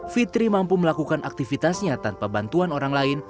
fitri mampu melakukan aktivitasnya tanpa bantuan orang lain